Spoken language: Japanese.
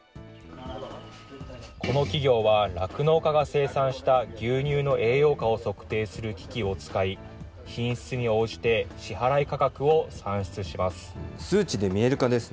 この企業は、酪農家が生産した牛乳の栄養価を測定する機器を使い、品質に応じて支払い価格を算出します。